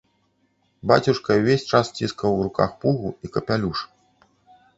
Бацюшка ўвесь час ціскаў у руках пугу і капялюш.